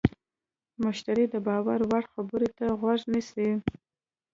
مشتری د باور وړ خبرو ته غوږ نیسي.